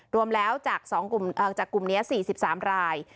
รวมแล้วจากกลุ่มนี้๔๓ราย